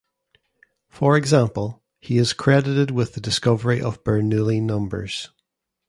For example, he is credited with the discovery of Bernoulli numbers.